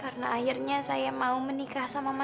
karena akhirnya saya mau menikah sama mas erwin